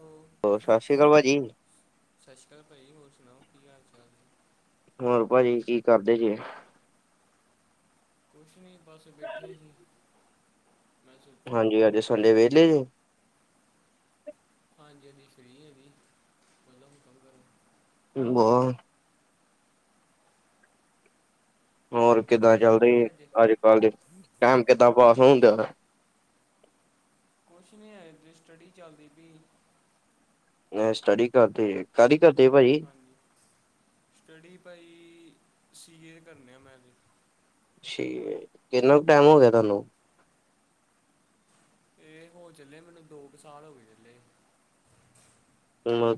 Hello, ਹੋਰ ਸਤਿ ਸ੍ਰੀ ਅਕਾਲ ਭਾਜੀ, ਸਤਿ ਸ਼੍ਰੀ ਅਕਾਲ ਭਾਜੀ ਹੋਰ ਸੁਣਾਓ ਕੀ ਹਾਲ ਚਾਲ? ਹੈ ਹੋਰ ਭਾਜੀ ਕੀ ਕਰਦੇ ਜੇ। ਕੁਛ ਨਹੀਂ ਬਸ ਬੈਠੇ ਜੀ ਮੈਂ ਸੋਚ। ਹਾਂਜੀ ਅੱਜ ਸੰਡੇ ਵਿਹਲੇ ਜੇ? ਹਾਂਜੀ ਹਾਂਜੀ ਫ੍ਰੀ ਹਾਂ ਜੀ ਮਤਲਬ ਕੋਈ ਕੰਮ ਕਾਰ। ਬਾਹਰ ਹੋਰ ਕਿੱਦਾਂ ਗਏ ਨਹੀਂ ਚੱਲਦੀ ਕਿਤੇ ਅੱਜ ਕਲ ਦੇ ਟਾਈਮ ਕਿੱਦਾਂ ਪਾਸ ਹੋਣ ਡਿਆ ਦਾ। ਕੁਛ ਨੀ ਹੈ ਸਟੱਡੀ ਚੱਲਦੀ ਪਈ। ਸਟੱਡੀ ਕਰਦੇ ਕਾਹਦੀ ਕਰਦੇ ਭਾਜੀ। ਸਟਡੀ ਭਾਜੀ ਸੀ ਏ ਕਰਨੇ ਆ ਮੈਂ ਵੀ। ਠੀਕ ਹੈ ਕਿੰਨਾ ਕ ਟਾਈਮ ਹੋ ਗਿਆ ਤੁਹਾਨੂੰ। ਏ ਹੋ ਚੱਲੇ ਮੈਨੂੰ ਦੋ ਕੁ ਸਾਲ ਹੋ ਗਏ।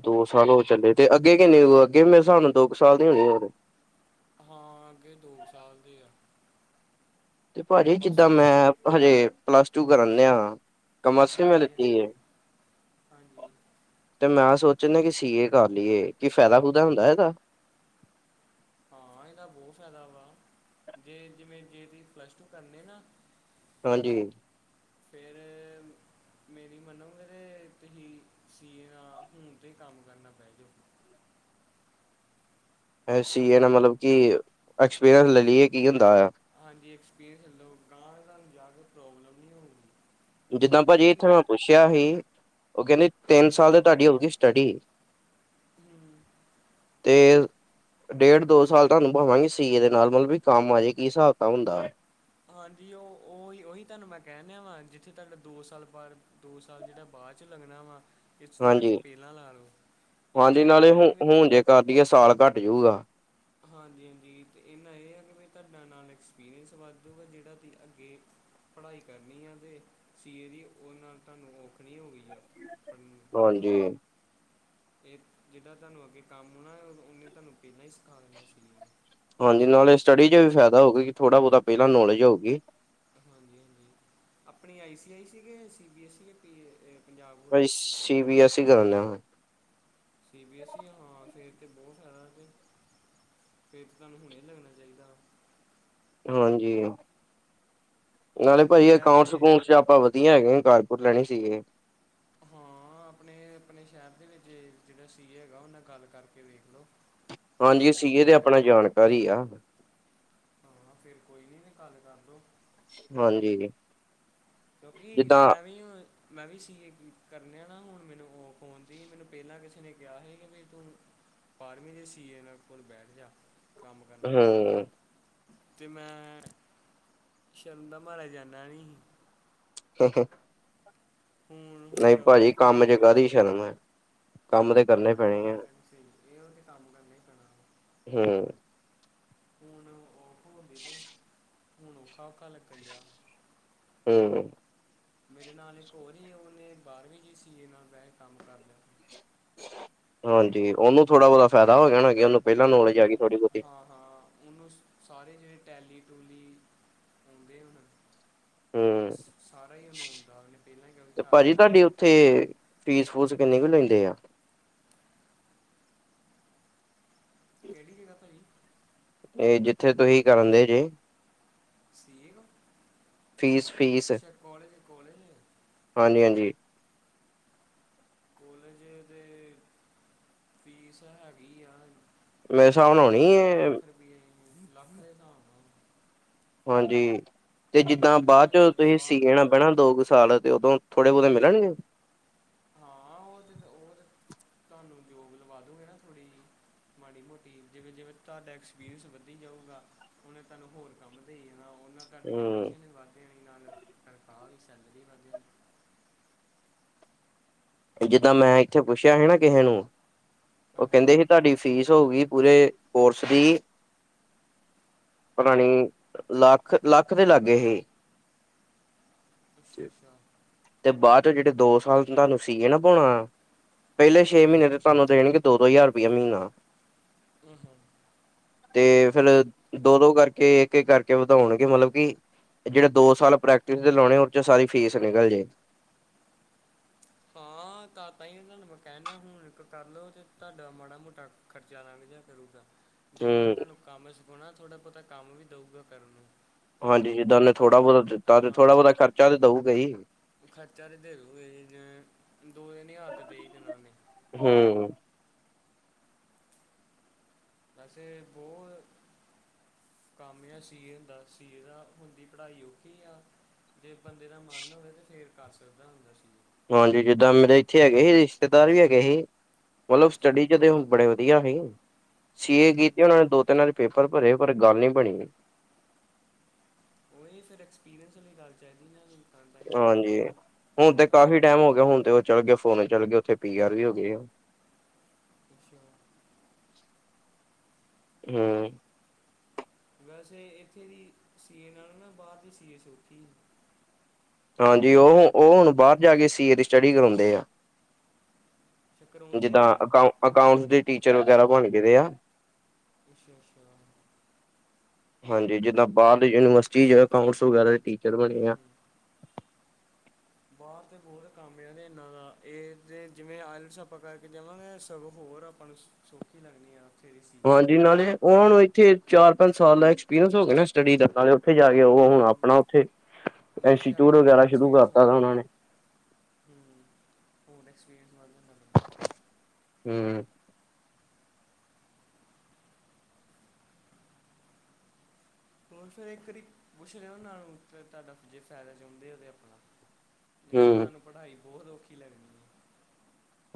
ਦੋ ਸਾਲ ਹੋ ਚੱਲੇ ਤੇ ਅੱਗੇ ਕਿੰਨੇ ਅੱਗੇ ਮੇਰੇ ਹਿਸਾਬ ਨਾਲ ਦੋ ਕੁ ਸਾਲ ਦੀ ਹੋਣੇ। ਹਾਂ ਅੱਗੇ ਦੋ ਸਾਲ ਦੇ ਆ। ਤੇ ਭਾਜੀ ਬਸ ਜਿੱਦਾਂ ਮੈਂ ਹਜੇ ਪਲੱਸ ਟੂ ਕਰਨ ਡੇਆ। ਕਮਰਸ ਮੈ ਹਾਂਜੀ ਲਿਤੀ ਹਾਂਜੀ ਹੈ। ਹਾਂਜੀ ਤੇ ਮੈਂ ਸੋਚਨ ਡਿਆ ਕਿ ਸੀ ਏ ਕਰ ਲਈਏ ਕੀ ਫਾਇਦਾ ਫੂਦਾ ਹੁੰਦਾ ਏਦਾ? ਹਾਂ ਇਹਦਾ ਬਹੋਤ ਫਾਇਦਾ ਵਾ ਜੇ ਜਿਵੇਂ ਜੇ ਤੁਸੀਂ ਪਲੱਸ ਟੂ ਕਰਨੀ ਨਾ। ਹਾਂਜੀ। ਫੇਰ ਮੇਰੀ ਮੰਨੋਗੇ ਤੇ ਤੁਸੀਂ ਸੀਏ ਨਾਲ ਫੋਣ ਤੇ ਹੀ ਕੰਮ ਕਰਨਾ ਪੈ ਜਾਓ। ਐਸੀ ਇਹ ਨਾ ਮਤਲਬ ਕਿ ਐਕਸਪੀਰੀਅੰਸ ਲੈ ਲਈਏ ਕੀ ਹੁੰਦਾਆ। ਹਾਂਜੀ ਐਕਸਪੀਰੀਅੰਸ [unintelligible] ਗਾਹਾਂਤੁਹਾਨੂੰ ਜਾ ਕੇ ਪ੍ਰੋਬਲਮ ਨਹੀਂ ਹੋਊਗੀ। ਜਿੱਦਾਂ ਭਾਜੀ ਇੱਥੇ ਕਿਉਂਕਿ ਮੈਂ ਪੁੱਛਿਆ ਸੀ ਉ ਕਹੰਦੇ ਤਿੰਨ ਸਾਲ ਦੇ ਤੁਹਾਡੀ ਹੋਗੀ ਸਟੱਡੀ। ਹਮ ਹ। [inaudible] ਤੇ ਡੇਢ ਦੋ ਸਾਲ ਤਾਨੂੰ ਭਾਵਾਂਗੇ ਸੀਏ ਦੇ ਨਾਲ ਮਤਲਬ ਵੀ ਕੰਮ ਆਜੇ ਕੀ ਸਾਬ ਤਾਬ ਹੁੰਦਾ। ਹਾਂਜੀ ਉ ਉਹੀ ਉਹੀ ਤੁਾਨੂੰ ਮੈਂ ਕਹਿਣ ਦਿਆ ਵਾ ਜਿੱਥੇ ਤੁਹਾਡਾ ਦੋ ਸਾਲ ਬਾਰ। ਦੋ ਸਾਲ ਜੇੜਾ ਬਾਅ ਚੋ ਲੱਗਣਾ ਵਾ ਇਸ ਜਗਰ ਹਾਂਜੀ ਪਹਿਲਾਂ ਲਾ ਲੋ ਹਾਂਜੀ ਇੰਨਾ ਨਾਲੇ ਇਹ ਆ ਹੁ ਵੀ ਹੁਣ ਜੇ ਕਰਦੀਏ ਸਾਲ ਘੱਟ ਜੁਗਾ ਹਾਂਜੀ ਹਾਂਜੀ ਤੇ ਏਨਾਂ ਏ ਆ ਕਿ ਵੀ ਤੁਹਾਡਾ ਨਾਲ ਐਕਸਪੀਰੀਅੰਸ ਵੱਧ ਜੂਗਾ ਜੇੜਾ ਅੱਗੇ ਪੜ੍ਹਾਈ ਕਰਨੀ ਆ ਤੇ ਸੀਏ ਦੀ ਓਹਦੇ ਨਾਲ ਤੁਹਾਨੂੰ ਔਖ ਨਹੀਂ ਹੋ ਗਈ ਆ ਪੜ੍ਹ ਹਾਂਜੀ। ਇਹ ਜਿਹਦਾਂ ਤੁਹਾਨੂੰ ਅੱਗੇ ਕੰਮ ਹੋਣਾ ਉਹਨੇ ਤੁਹਾਨੂੰ ਪਹਿਲਾਂ ਹੀ ਸਿਖਾ ਦਿੰਣਾ ਸੀ। ਹਾਂਜੀ ਨਾਲੇ ਸਟੱਡੀ ਚ ਵੀ ਫਾਇਦਾ ਹੋਊਗਾ ਕਿ ਥੋੜ੍ਹਾ ਬਹੁਤਾ ਪਹਿਲਾਂ ਨੌਲੇਜ ਹੋਊਗੀ। ਹਾਂਜੀ ਹਾਂਜੀ ਆਪਣੀ ਆਈ ਸੀ ਐਸ ਈ ਕੀ ਸੀ ਬੀ ਐਸ ਈ ਕੀ ਪੀਏ। ਭਾਜੀ ਸੀ ਬੀ ਐਸ ਈ ਕਰਨ ਰਿਹਾ ਹਾਂ। ਸੀ ਬੀ ਐਸ ਈ ਹਾਂ ਫਿਰ ਤਾਂ ਬਹੁਤ ਫਾਇਦਾ ਅਤੇ। ਫੇਰ ਤੁਹਾਨੂੰ ਹੁਣੇ ਲੱਗਣਾ ਚਾਹੀਦਾ। ਹਾਂਜੀ ਨਾਲੇ ਆਪਣੇ ਭਾਜੀ ਸ਼ਹਿਰ ਅਕਾਊਂਟਸ ਦੇ ਅਕਾਊਂਟਸ ਚ ਆਪਾਂ ਵਧ। ਵਧੀਆ ਹੈਗੇ ਕਾਰਡਬੋਰਡ ਲੈਣੇ ਸੀਗੇ। ਹਾਂ ਆਪਣੇ ਆਪਣੇ ਸ਼ਹਿਰ ਦੇ ਵਿੱਚ ਜਿਹੜਾ ਸੀ ਏ ਹੈਗਾ ਉਹ ਨਾਲ ਗੱਲ ਕਰਕੇ ਵੇਖ ਲਓ। ਤੇ ਨਾਲ ਹਾਂਜੀ ਸੀ ਏ ਤੇ ਬਿਠਾਉਂਦੇ ਆ ਆਪਣਾ ਜਾਣਕਾਰ ਹੀ ਆ। ਹਾਂ ਫੇਰ ਕੋਈ ਨੀ ਵੇ ਕੱਲ ਕਰ ਲਓ। ਹਾਂਜੀ। ਕਿਉਂਕਿ ਜਿੱਦਾਂ ਮੈਂ ਵੀ ਮੈਂ ਵੀ ਸੀ ਏ ਕਰਨਿਆ ਨਾ ਹੁਣ ਮੈਨੂੰ ਔਖ ਓਨ ਦੀ ਮੈਨੂੰ ਪਹਿਲਾਂ ਕਿਸੇ ਨੇ ਕਿਹਾ ਸੀ ਕਿ ਵੀ ਤੂੰ ਬਾਰਵੀ ਦੇ ਸੀਏ ਨਾਂ ਕੋਲ ਬੈਠ ਜਾ ਕੰਮ ਕਰਨਾ ਹੂੰ ਤੇ ਮੈਂ ਸ਼ਰਮ ਦਾ ਮਾਰਾ ਜਾਂਦਾ ਨੀ ਸੀ ਹ [unintelligible] ਹੁਣ ਨਈ ਹੁਣ ਪਾਜੀ ਔਖ ਕੰਮ ਹੁੰਦੀ ਚ ਕਾਦੀ ਸ਼ਰਮ ਕੰਮ ਤੇ ਹਾਂ ਕਰਨੇ ਇਹੀ ਪੈਣੇ ਆ ਗੱਲ ਸਹੀ ਇਹ ਉਹ ਤੇ ਕੰਮ ਕਰਨਾ ਹੀ ਪੈਣਾ। [unintelligible] ਹੂੰ ਹੁਣ ਔਖ ਹੋ ਗਏ ਤੇ ਹੁਣ ਔਖਾ ਔਖਾ ਲੱਗਣ ਜਯਾ। [unintelligible] ਹਮਮ। [inaudible] ਮੇਰੇ ਨਾਲ ਇੱਕ ਹੋਰ ਹੀ ਉਹਨੇ ਬਾਰਵੀਂ ਜੀ ਸੀ ਏ ਨਾਲ ਬਹਿ ਕੇ ਕੰਮ ਕਰ ਲਿਆ। ਹਾਂਜੀ ਉਹਨੂੰ ਥੋੜ੍ਹਾ ਬਹੁਤਾ ਫਾਇਦਾ ਹੋ ਗਿਆ ਹੋਣਾ ਉਹਨੂੰ। ਪਹਿਲਾਂ ਨੌਲੇਜ ਆ ਹਮ ਗਈ ਥੋੜੀ ਬਹੁਤੀ ਹਾਂ। ਹਾਂ ਉਹ ਨੂੰ ਸਾਰੇ ਜਿਹੜੇ ਟੈਲੀ ਟੂਲੀ ਆਉਂਦੇ ਹੁਣ। ਹੂੰ ਸਾਰਾ ਹੀ ਉਹਨੂੰ ਆਂਦਾ ਉਹਨੇ ਪਹਿਲਾਂ ਕਿ ਵੀ ਤੇ ਕਰ ਭਾਜੀ ਲਿਆ। ਤੁਹਾਡੀ ਉੱਥੇ ਫੀਸ ਫੂਸ ਕਿੰਨੀ ਕੁ ਲੈਂਦੇ ਆ। ਕਿਹੜੀ ਜਗ੍ਹਾ ਭਾਜੀ। ਤੇ ਜਿੱਥੇ ਤੁਸੀਂ ਕਰਨ ਦੇ ਜੇ। ਸੀ ਏ ਕੋਲ ਫੀਸ ਫੀਸ ਅੱਛਾ ਕਾਲਜ ਕਾਲਜ। ਹਾਂਜੀ ਹਾਂਜੀ। ਕੋਲਜ ਦੇ ਫੀਸ ਹੈਗੀ ਆ। ਮੇਰੇ ਹਿਸਾਬ ਨਾਲ ਹੋਣੀ ਡੇਢ ਕ ਹੈ ਲੱਖ ਰੁਪਏ ਈ ਲੱਖ ਦੇ ਹਿਸਾਬ ਨਾਲ। ਹਾਂਜੀ ਤੇ ਜਿੱਦਾਂ ਬਾਅਦ ਲੱਖਾਂ ਦੇ ਚ ਆ, ਤੁਸੀਂ ਸੀ ਸਾਲ ਏ ਦੀ ਨਾਲ ਬੈਣਾ ਦੋ ਕੁ ਸਾਲ ਏ ਤੇ ਉਦੋਂ ਥੋੜੇ ਬਹੁਤੇ ਮਿਲਣਗੇ। ਹਾਂ ਓ ਤੇ ਓ ਤੇ ਤੁਹਾਨੂੰ ਜੋਬ ਲਵਾ ਦੋਗੇ ਨਾ ਥੋੜੀ ਜਿਹੀ। ਮਾੜੀ ਮੋਟੀ ਜਿਵੇਂ-ਜਿਵੇਂ ਤੁਹਾਡਾ ਐਕਸਪੀਰੀਅੰਸ ਵੱਧੀ ਜਾਊਗਾ ਉਹਨੇ ਤੁਹਾਨੂੰ ਹੋਰ ਕੰਮ ਹੂੰ [unintelligible] [unintelligible] ਜਿੱਦਾਂ ਮੈਂ ਇੱਥੇ ਪੁੱਛਿਆ ਹੀ ਨਾ ਕਿਸੇ ਨੂੰ ਉਹ ਹਾਂਜੀ ਕਹਿੰਦੇ ਸੀ ਤੁਹਾਡੀ ਫੀਸ ਹੋਊਗੀ ਪੂਰੇ ਕੋਰਸ ਦੀ ਪਤਾ ਨੀ ਲੱਖ-ਲੱਖ ਦੇ ਲਾਗੇ ਹੀ। ਅੱਛਾ, ਅੱਛਾ। ਤੇ ਬਾਅਦ ਚੋਂ ਜਿਹੜੇ ਦੋ ਸਾਲ ਤੁਹਾਨੂੰ ਸੀ ਏ ਨਾ ਬਾਉਣਾ। ਪੈਲੇ ਛੇ ਮਹੀਨੇ ਤੇ ਤਾਨੁ ਦੇਣਗੇ ਦੋ-ਦੋ ਹਜ਼ਾਰ ਰੁਪਇਆ ਮਹੀਨਾ। ਹਮ-ਹਮ। [unintelligible] ਤੇ ਫੇਰ ਦੋ-ਦੋ ਕਰਕੇ ਇੱਕ-ਇੱਕ ਕਰਕੇ ਵਧਾਉਣਗੇ ਮਤਲਬ ਕਿ ਜਿਹੜੇ ਦੋ ਸਾਲ ਪ੍ਰੈਕਟਿਸ ਦੇ ਲਾਉਣੇ ਉਸ ਚ ਸਾਰੀ ਫੀਸ ਨਿਕਲ ਜੇ। ਹਾਂ ਤਾਤਾ ਹੀ ਓਹਨਾ ਨੂੰ ਮੈਂ ਕਹਿਨਾ ਹੁਣ ਇੱਕ ਕਰ ਲਓ ਤੇ ਤੁਹਾਡਾ ਮਾੜਾ ਮੋਟਾ ਖਰਚਾ ਲੰਗ ਜੀਆ ਕਰੂਗਾ। ਜੇ ਓਨੇ ਹੂੰ ਤੁਹਾਨੂੰ ਕੰਮ ਸਿਖਾਉਣਾ, ਥੋੜਾ ਬਹੁਤਾ ਕੰਮ ਵੀ ਦਊਗਾ ਕਰਨ ਨੂੰ। ਉਹ ਤੇ ਹਾਂਜੀ ਜਿਦਾ ਉਹਨੇ ਤੁਹਾ ਥੋੜਾ ਬਹੁਤਾ ਦਿੱਤਾ, ਤੇ ਥੋੜਾ ਹਾਂ ਬਹੁਤਾ ਖਰਚਾ ਤੇ ਦਊਗਾ ਹੀ। ਖਰਚਾ ਤੇ [unintelligible] ਦੇਣਗੇ ਹੀ ਨੀ ਜਿਵੇਂ, ਦੋ ਤਿੰਨ ਹਜ਼ਾਰ ਤੇ ਦੇ ਹੀ ਦੇਣਾ। ਓਹਨੇ। ਹੂੰ। ਵੈਸੇ ਬੋਲ ਕੰਮ ਆ ਸੀ ਏ ਦਾ, ਸੀ ਏ ਦਾ ਹੁੰਦੀ ਪੜ੍ਹਾਈ ਔਖੀ ਆ। ਜੇ ਬੰਦੇ ਦਾ ਮਨ ਹੋਵੇ, ਤੇ ਫੇਰ ਕਰ ਸਕਦਾ ਹੁੰਦਾ ਸੀ। ਹਾਂਜੀ ਜਿੱਦਾ ਮੇਰੇ ਇੱਥੇ ਹੈਗੇ ਹੀ, ਰਿਸ਼ਤੇਦਾਰ ਵੀ ਹੈਗੇ ਹੀ। ਮਤਲਬ ਅੱਛਾ ਸਟੱਡੀ ਚ ਤੇ ਓ ਬੜੇ [unintelligible] ਸੀ ਏ ਹਮ ਕੀਤੀ ਉਹਨਾਂ ਨੇ ਦੋ ਤਿੰਨ ਵਾਰੀ ਪੇਪਰ ਭਰੇ ਪਰ ਗੱਲ ਨੀ ਬਣੀ। ਉਹੀ ਫਿਰ ਐਕਸਪੀਰੀਅੰਸ ਵਾਲੀ ਗੱਲ ਚਾਹੀਦੀ [unintelligible] [unintelligible] ਨਾ ਹੁਣ ਤੇ ਉਹ ਚੱਲ ਗਏ ਫੋਰਨ ਚਲਗੇ ਉੱਥੇ ਪੀ ਆਰ ਵੀ ਹੋਗੀ ਆ। [unintelligible] [unintelligible] ਹਾਂ। ਵੈਸੇ ਇੱਥੇ ਦੀ ਸੀ ਏ ਨਾਲੋਂ ਨਾ ਬਾਹਰ ਦੀ ਸੀ ਏ ਸੌਖੀ ਏ। ਹਾਂਜੀ ਉਹ-ਉਹ ਹੁਣ ਬਾਰ ਜਾ ਕੇ ਸੀ ਏ ਦੀ ਸਟੱਡੀ ਕਰਾਉਂਦੇ ਆ। ਅੱਛਾ ਕਰਾਉਂਦੇ ਜਿਦਾਂ ਹੁਣ ਅਕਾਊ ਅਕਾਊਂਟ ਦੇ ਟੀਚਰ ਵਗੈਰਾ ਬਣ ਗੇ ਆ। ਅਸ਼ਾ, ਅਸ਼ਾ। ਹਾਂਜੀ ਜਿੱਦਾਂ ਬਾਹਰਲੇ ਯੂਨੀਵਰਸਿਟੀ ਜਿਵੇ ਕਾਊਂਟਸ ਵਗੈਰਾ ਦੇ ਟੀਚਰ ਹਮ ਬਣੇ ਆ। ਹਮ ਬਾਹਰ ਤੇ ਬਹੁਤ ਕੰਮ ਆ ਜੇ ਇਹਨਾਂ ਦਾ ਇਹ ਜ ਜਿਵੇਂ ਆਈਲੈਟਸ ਆਪਾਂ ਕਰਕੇ ਜਾਵਾਂਗੇ ਸਗੋਂ ਹੋਰ ਆਪਾਂ ਨੂੰ ਸੌਖੀ ਲੱਗਣੀ ਆ ਉੱਥੇ ਦੀ ਸੀ ਹਾਂਜੀ ਉਨ੍ਹਾਂ ਨੇ ਉਹ ਨੂੰ ਇੱਥੇ ਚਾਰ-ਪੰਜ ਸਾਲ ਦਾ ਐਕਸਪੀਰੀਅੰਸ ਹੋ ਗਿਆ ਨਾ ਸਟੱਡੀ ਦਾ ਨਾਲੇ ਉੱਥੇ ਜਾ ਕੇ ਉਹ ਹੁਣ ਹੂੰ ਆਪਣਾ ਉੱਥੇ ਨਾਲ ਤੇ ਆਗੇ ਇੰਸਟੀਚਿਊਟ ਹੋਰ ਵਗੈਰਾ ਸ਼ੁਰੂ ਐਕਸਪੀਰੀਅੰਸ ਹੋ ਕਰਤਾ ਤਾ ਸਾ ਜਾਂਦਾ ਵਾ ਉਹਨਾਂ ਨੇ। ਹੂੰ ਹੋਰ ਐਕਸਪੀਰੀਅਂਸ ਵਧ ਗਿਆ ਤਾਨੂੰ। ਹੂੰ। ਹੋਰ ਫੇਰ ਇੱਕ ਵਾਰੀ ਪੁੱਛ ਲੈਨਾ ਨਾਲ ਓਹ ਤੇ ਤੁਹਾਡਾ, ਜੇ ਫਾਇਦਾ ਚਾਹੁੰਦੇ ਹੋ ਤੇ ਆਪਣਾ। ਨਹੀਂ ਤੇ ਹੂੰ। ਤਾਨੂੰ ਪੜ੍ਹਾਈ ਬਹੁਤ ਔਖੀ ਲੱਗਨੀ।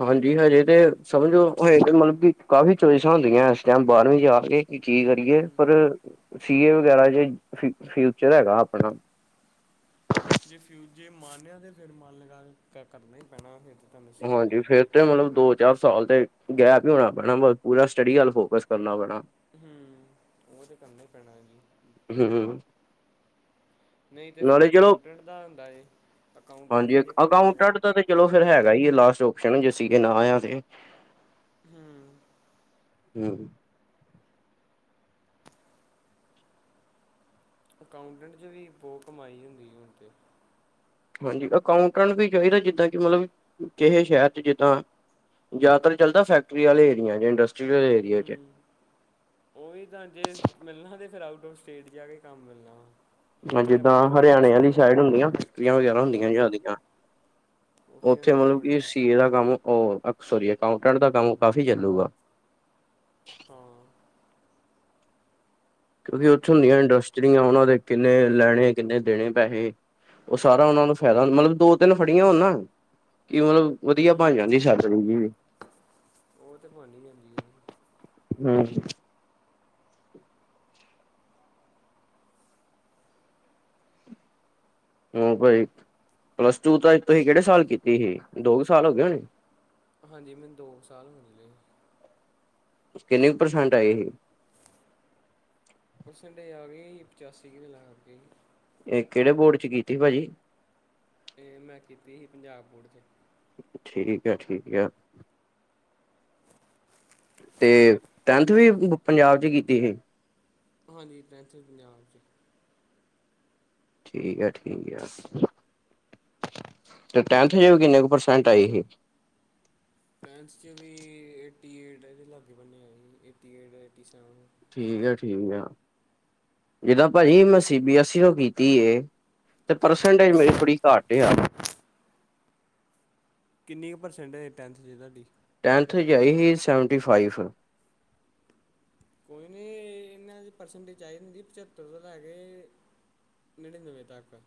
ਹਾਂਜੀ, ਹਜੇ ਤੇ ਸਮਝੋ ਓ ਏਕ [unintelligible] ਕਾਫ਼ੀ ਚੋਇਸਾਂ ਹੁੰਦੀਆਂ ਇਸ ਟਾਈਮ ਬਾਰਵੀਂ ਚ ਆ ਕੇ। ਕੀ ਕਰੀਏ? ਹੂੰ ਪਰ ਸੀ ਏ ਵਗੈਰਾ ਜੇ ਫਿ ਫਿਊਚਰ ਹੈਗਾ ਆਪਣਾ। ਜੇ ਫਿਉ ਜੇ ਮਨ ਆ, ਤੇ ਫਿਰ ਮਨ ਲਗਾ ਕੇ ਕਰਨਾ ਹੀ ਪੈਣਾ ਫਿਰ। ਤੁਹਾਨੂੰ ਸੀਏ ਦੀ ਹਾਂਜੀ, ਫੇਰ ਪੜ੍ਹਾਈ ਤੇ ਮੈਨੂੰ ਦੋ ਚਾਰ ਸਾਲ ਤੇ ਗੈਪ ਹੀ ਹੋਣਾ ਪੈਣਾ, ਬਸ ਪੂਰਾ ਸਟੱਡੀ ਵੱਲ ਫੋਕਸ ਕਰਨਾ ਪੈਣਾ। ਹੂੰ, ਓ ਤੇ ਕਰਨਾ ਈ ਪੈਣਾ ਏ ਜੀ। ਹੂ ਹੁ। ਨਹੀਂ ਤੇ ਫਿਰ ਚਲੋ ਅਕਾਊਂਟੈਂਟ ਦਾ ਹੁੰਦਾ ਏ ਅਕਾਊਂਟੈਂਟ ਹਾਂਜੀ ਦਾ ਜੇ ਕਰਨਾ ਜੇ। ਅਕਾਊਂਟੈਂਟ ਦਾ ਤੇ ਚਲੋ ਫਿਰ ਹੈਗਾ ਈ ਹੈ ਲਾਸਟ ਓਪਸ਼ਨ ਜੇ ਸੀ ਏ ਨਾ ਆਇਆ ਤੇ। ਹੂ। ਹੁੰ। ਅਕਾਊਂਟੈਂਟ ਚ ਵੀ ਬਹੁ ਕਮਾਈ ਹੁੰਦੀ ਹੁਨ ਤੇ। ਹਾਂਜੀ ਅਕਾਊਂਟੈਂਟ ਵੀ ਚਾਹੀਦਾ ਜਿੱਹਦਾਂ ਕਿ ਮਤਲਬ ਕਿਹੈ ਸ਼ਹਿਰ ਚ ਜਿੱਹਦਾਂ ਜਿਆਦਾਤਰ ਚਲਦਾ ਫੈਕਟਰੀ ਵਾਲੇ ਏਰੀਆ ਦੇ ਅੰਡਰਸ। ਹੂ। ਓਹ ਵੀ ਤਾਂ ਜੇ ਮਿਲਨਾ ਤੇ ਫਿਰ ਆਊਟ ਔਫ ਸਟੇਟ ਜਾ ਕੇ ਕੰਮ ਮਿਲਨਾ ਵਾ। ਹਾਂ ਇੱਥੇ ਜਿੱਹਦਾਂ ਆਪਣੇ ਹੁਣ ਹਰਿਆਣੇ ਕੁਛ ਨਹੀਂ ਵਾਲੀ ਰਿਹਾ ਸਾਈਡ ਹੋਉਨੀਆਂ ਹਾਂ ਹਾਂ [unintelligible] ਉੱਥੇ ਹੁੰਦੀਆਂ ਮਤਲਬ ਕਿ ਬੜੀਆਂ ਸੀ ਏ ਦਾ ਕੰਮ ਉਹ ਅਹ ਸੌਰੀ ਅਕਾਉਟੈਂਟ ਦਾ ਕੰਮ ਕਾਫੀ ਚੱਲੂਗਾ। ਹਾਂ। ਕਿਉਂਕਿ ਉੱਥੇ ਹੁੰਦਿਆਂ ਇੰਡਸਟਰੀਆ ਉਹਨਾਂ ਦੇ ਕਿੰਨੇ ਲੈਣੇ ਕਿੰਨੇ ਦੇਣੇ ਪੈਹੇ। ਉਹ ਸਾਰਾ ਉਹਨਾ ਨੂੰ ਫਾਇਦਾ ਮਤਲਬ ਦੋ ਤਿੰਨ ਫੜੀਆਂ ਹੋਨ ਨਾ ਕਿ ਮਤਲਬ ਵਧੀਆ ਬਨ ਹੂੰ ਜਾਂਦੀ ਛਾਤਰੀ ਜੀ ਵੀ। ਉਹ ਤੇ ਬਣ ਹੀ ਜਾਂਦੀ ਹੈ ਜੀ। ਹ। ਉਹ ਭਾਈ ਪਲੱਸ ਟੂ ਤਾ ਤੁਹੀ ਕਿਹੜੇ ਸਾਲ ਕੀਤੀ ਹੀ ਦੋ ਕੁ ਸਾਲ ਹੋ ਗਏ ਹੋਨੇਂ। ਹਾਂਜੀ ਮੈਨੂੰ ਦੋ ਸਾਲ ਹੋ ਅਲੇ ਆ। ਕਿੰਨੀ ਪ੍ਰਸੈਂਟ ਆਈ ਹੀ। ਪਰਸੈਂਟੇਜ ਆ ਗਈ ਹੀ ਪਚਾਸੀ ਕਿ ਲਾਗੇ। ਇਹ ਕਿਹੜੇ ਬੋਰਡ ਚ ਕੀਤੀ ਭਾਜੀ ਇਹ ਮੈਂ ਕੀਤੀ ਹੀ ਪੰਜਾਬ ਬੋਰਡ 'ਚ ਠੀਕ ਆ ਠੀਕ ਆ ਤੇ ਟੈਨਥ ਵੀ ਪੰਜਾਬ ਚ ਕੀਤੀ ਹੀ ਹਾਂਜੀ ਟੈਂਥ ਇ ਪੰਜਾਬ ਚ ਠੀਕ ਏ ਠੀਕ ਤੇ ਟੈਂਠ ਚ ਕਿੰਨੇ ਕ ਪਰਸੈਂਟ ਆਈ ਹੀ ਟੈਂਥ ਚ ਵੀ ਏਟੀ ਏਟ ਏਦੇ ਲਾਗੇ ਬੰਨਿ ਆਏ ਸੀ ਏਟੀ ਏਟ ਏਟੀ ਸੈਵਨ। ਠੀਕ ਆ ਠੀਕ ਆ ਜਿੱਹਦਾਂ ਭਾਜੀ ਮੈਂ ਸੀ ਬੀ ਐਸ ਸੀ ਤੋ ਕੀਤੀ ਐ। ਤੇ ਹਾਂਜੀ ਪਰਸੈਂਟੇਜ ਮੇਰੀ ਥੋੜੀ ਘੱਟ ਆ। ਕਿੰਨੀ ਪਰਸੈਂਟਜ ਏ ਟੈਂਥ ਚ ਤੁਹਾਡੀ? ਟੈਂਥ ਵਿਚ ਆਈ ਸੀ ਸੈਵਨਟੀ ਫਾਈਫ। ਕੋਈ ਨਹੀਂ ਇਹਨਾਂ ਚ ਪਰਸੈਂਟੇਜ ਚਾਹੀਦੀ ਹੁੰਦੀ ਐ ਪਝੱਤਰ ਤੋਂ ਲੈ ਕੇ ਪਿੰਡ ਬਹੁਤ ਹੈਂ ਪਰ।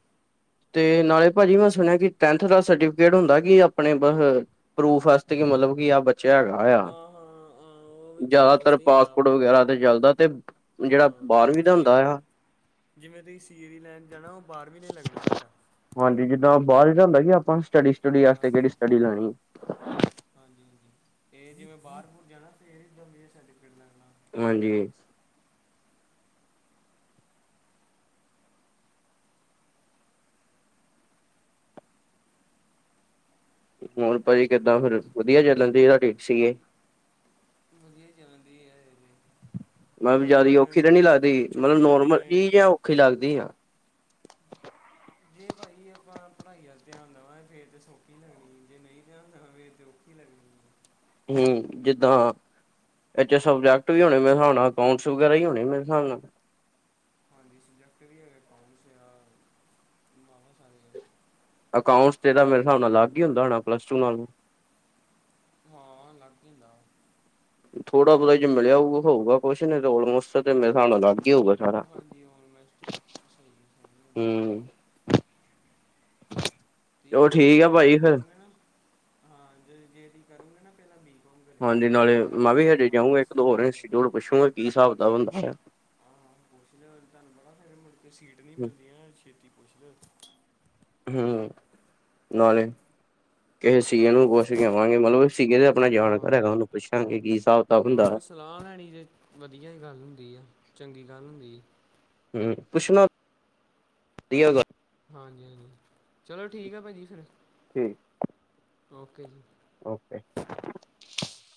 ਤੇ ਨਾਲੇ ਭਾਜੀ ਮੈਂ ਸੁਣਿਆ ਕਿ ਟੈਂਥ ਦਾ ਸਰਟੀਫਿਕੇਟ ਹੁੰਦਾ ਕੀ ਆਪਣੇ ਬਹ? ਪ੍ਰੂਫ ਵਾਸਤੇ ਕਿ ਮਤਲਬ ਕਿ ਆਹ ਬਚਾ ਹੈਗਾ। ਆ ਹਾਂ ਹਾਂ ਅ ਓਹ ਵੀ ਪਰੂਵਸ ਜ਼ਿਆਦਾਤਰ ਨੀਂ ਵਾਂ ਪਾਸਪੋਰਟ ਵਗੈਰਾ ਤੇ ਚੱਲਦਾ ਤੇ ਹਾਂ ਜਿਹੜਾ ਬਾਰਵੀਂ ਦਾ ਜਿਵੇਂ ਹੁੰਦਾ ਆ ਜਿਵੇਂ ਤੁਸੀ ਸੀ ਏ ਦੀ ਲਾਈਨ ਚ ਜਾਣਾ ਉਹ ਬਾਹਰ ਵੀ ਨਹੀਂ ਲੱਗਣਾ ਤੁਹਾਡਾ। ਹਾਂਜੀ ਜਿੱਹਦਾਂ ਬਾਹਰ ਕੀ ਹੁੰਦਾ ਕਿ ਆਪਾਂ ਨੂੰ ਸਟਡੀ ਸਟੁਡੀ ਵਾਸਤੇ ਕੇੜੀ ਹਾਂਜੀ ਸਟਡੀ ਲੈਣੀ। ਹਾਂਜੀ ਹਾਂਜੀ ਅਤੇ ਇਹ ਜਿਵੇਂ ਬਾਹਰ ਬੁਰ ਜਾਣਾ ਫ ਇਹਦ ਵੀ ਸਰਟੀਫਿਕੇਟ ਲੈਣਾ ਹਾਂਜੀ ਹੋਰ ਭਾਜੀ ਕਿੱਦਾਂ ਫਿਰ ਵਧੀਆ ਚੱਲਣ ਡੀਏ ਤੁਹਾਡੀ ਸੀ ਏ ਵਧੀਆ ਚੱਲਦੀ ਹੈ ਮਤਲਬ ਹੁਣ ਜਿਆਦਾ ਔਖੀ ਤਾਂ ਨੀ ਲੱਗਦੀ ਮਤਲਬ ਛੁੱਟੀਆਂ ਨੋਰਮਲ ਪਈਆਂ ਹੈ ਏ ਜੀ ਔਖੀ ਲੱਗਦੀ ਆ ਜੇ ਪਾਜੀ ਆਪਾਂ ਪੜ੍ਹਾਈ ਵੱਲ ਧਿਆਨ ਦੇਵਾਂ ਫਿਰ ਤੇ ਸੌਖੀ ਲੱਗਣੀ ਜੇ ਨਹੀਂ ਧਿਆਨ ਦੇਵਾਂ ਫੇਿਰ ਤੇ ਔ [inaudible] ਹੂ ਜੀਦਾ ਇਹ ਚ ਸਬਜੈਕਟ ਵੀ ਹੋਣੇ ਮੇਰੇ ਹਿਸਾਬ ਨਾਲ ਅਕਾਊਂਟਸ ਵਗੈਰਾ ਹੀ ਹੋਣੇ ਮੇਰੇ ਰੇਿਸਾਬ ਨਾਲ ਹਾਂਜੀ ਸਬਜੈਕਟ ਵੀ ਹੈਗੇ ਟਾਸ ਆ ਬਤ ਸਾਰੇ ਅਕਾਊਂਟਸ ਤੇ ਇਹਦਾ ਮੇਰੇ ਹਿਸਾਬ ਨਾਲ ਅਲੱਗ ਹੀ ਹੁੰਦਾ ਹੋਣਾ ਪਲੱਸ ਟੂ ਨਾਲ ਹਾਂ, ਅਲਗ ਈ ਹੁਦਾ ਓ। ਥੋੜਾ ਬਹੁਤਾ ਜੇ ਮਿਲਿਆ ਹੋਊਗਾ ਤੇ ਹੋਊਗਾ ਕੁਛ, ਨਈ ਤੇ ਓਲਮੋਸਟ ਤੇ ਮੇਰੇ ਸਾਬ ਨਾਲ ਅਲੱਗ ਹੀ ਹੋਊਗਾ। ਸਾਰਾ ਹਾਂਜੀ, ਆਲਮੇਸਟ ਸਹੀ। ਹੂੰ [inaudible] ਵੀ ਠੀਕ ਪਹਿਲਾਂ ਆ ਜਦੋਂ ਭਾਜੀ ਫਿਰ ਕਰੋਂਗੇ ਨਾ, ਹਾਂ ਜ ਜੇਅੜੀ ਕਰੋਂਗੇ ਨਾ ਪਹਿਲਾਂ ਵੀ ਹਾਂਜੀ, ਨਾਲੇ ਮੈਂ ਵੀ ਹਜੇ ਜਾਊਂਗਾ ਇੱਕ ਸੀ ਦੋ ਹੋਰ ਏ ਕਰੋ ਇੰਸਚਿਊਟ, ਪੁੱਛੂਗਾ ਕੀ ਹਿਸਾਬ ਕਿਤਾਬ [unintelligible] ਹਾਂ-ਹਾਂ ਪੁੱਛ ਲਉ, ਤੁਆਨੂੰ ਪਤਾ ਫਿਰ ਮੁੜਕੇ ਸੀਟ ਨੀ ਮਿਲਦੀਆਂ, ਛੇਤੀ ਪੁੱਛ ਲਉ। ਹੂੰ, ਨਾਲੇ ਕੇਹੇ ਸੀ ਏ ਨੂ ਪੁਛ ਕੇ ਆਵਾਂਗੇ, ਮਤਲਬ ਸੀਗੇ, ਤੇ ਆਪਣਾ ਜਾਣਕਾਰ ਹਾਂ ਹੈਗਾ, ਉਹਨੂੰ ਪੁੱਛਾਂਗੇ ਕੀ ਸਾਬ ਹਾਂ, ਸਲਾਹ ਲੈਣੀ ਜੇ, ਵਧੀਆ ਹੀ ਗੱਲ ਹੁੰਦੀ ਆ, ਚੰਗੀ ਗੱਲ ਹੁੰਦੀ ਜੀ। ਹੂੰ, ਪੁੱਛਣਾ, ਵਧੀਆ ਗੱਲ ਹਾਂਜੀ-ਹਾਂਜੀ, ਚਲੋ ਠੀਕ ਆ ਭਾਜੀ ਫਿਰ। ਠੀਕ। ਓਕੇ ਜੀ। ਓਕੇ।